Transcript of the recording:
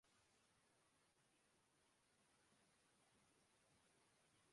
ٹےکی قیمت عام دمی کی قوت خرید سے باہر ہونے لگی